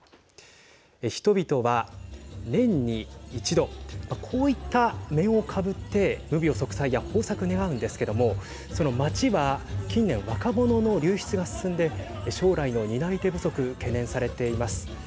人々は、年に一度こういった面をかぶって無病息災や豊作願うんですけどもその町は近年若者の流出が進んで将来の担い手不足懸念されています。